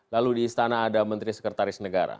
lalu di istana ada menteri sekretaris negara